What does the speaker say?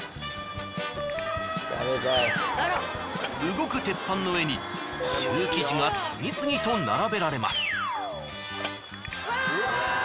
動く鉄板の上にシュー生地が次々と並べられます。